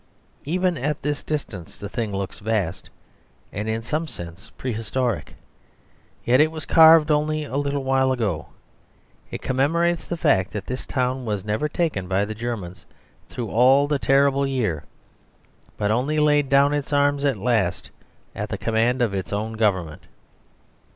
Even at this distance the thing looks vast, and in some sense prehistoric. Yet it was carved only a little while ago. It commemorates the fact that this town was never taken by the Germans through all the terrible year, but only laid down its arms at last at the command of its own Government.